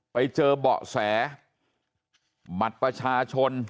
ไปเจอเบาะแสบัตรประชาชน